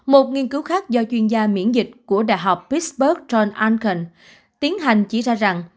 một nghiên cứu khác do chuyên gia miễn dịch của đại học pittsburgh john arnken tiến hành chỉ ra rằng